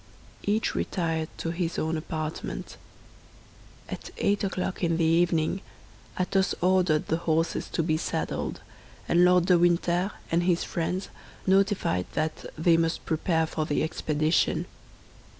Each retired to his own apartment. At eight o'clock in the evening Athos ordered the horses to be saddled, and Lord de Winter and his friends notified that they must prepare for the expedition.